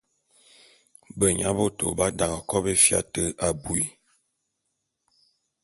Benya bôto b’adane kòbo éfia te abui.